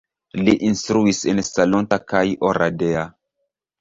Li instruis en Salonta kaj Oradea.